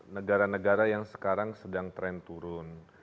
negara negara yang sekarang sedang tren turun